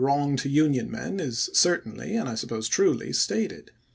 wrong to Union men is certainly, and I suppose truly, stated.